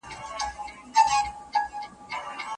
ناصر خسرو یو مشهور یونلیک لیکلی دی.